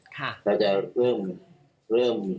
เราจะเริ่ม